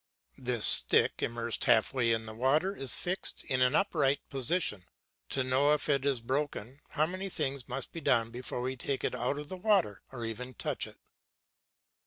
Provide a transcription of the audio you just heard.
This stick immersed half way in the water is fixed in an upright position. To know if it is broken, how many things must be done before we take it out of the water or even touch it.